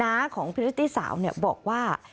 ้าของพิรุตตี้สาวบอกว่า